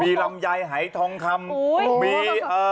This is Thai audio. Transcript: มีลำไยให้ทองคำมี